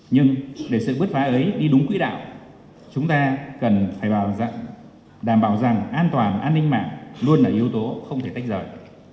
nhưng để sự bứt phá ấy đi đúng quỹ đạo chúng ta cần phải đảm bảo rằng an toàn an ninh mạng luôn là yếu tố không thể tách rời